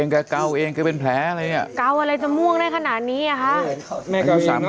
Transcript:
แกเกาเองแกเป็นแผลอะไรอ่ะเกาอะไรจะม่วงได้ขนาดนี้อ่ะคะ